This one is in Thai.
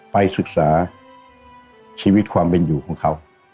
ไปศึกษาชีวิตความเป็นอยู่ของเขา